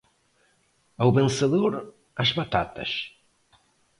Ao vencedor, as batatas!